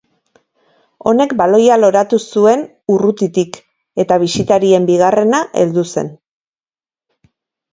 Honek baloia loratu zuen urrutitik eta bisitarien bigarrena heldu zen.